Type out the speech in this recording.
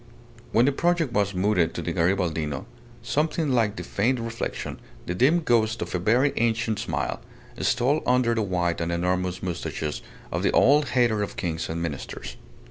When the project was mooted to the Garibaldino, something like the faint reflection, the dim ghost of a very ancient smile, stole under the white and enormous moustaches of the old hater of kings and ministers.